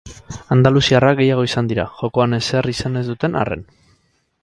Andaluziarrak gehiago izan dira, jokoan ezer izan ez duten arren.